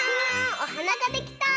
おはなができた！